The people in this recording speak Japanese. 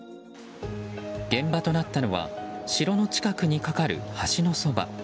現場となったのは城の近くに架かる橋のそば。